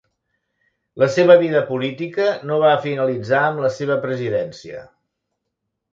La seva vida política no va finalitzar amb la seva presidència.